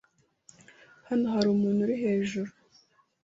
Hano hari umuntu uri hejuru.